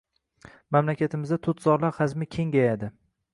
Mamlakatimizda tutzorlar hajmi kengayadi